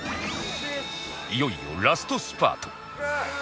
いよいよラストスパート